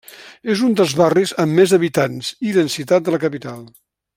És un dels barris amb més habitants i densitat de la capital.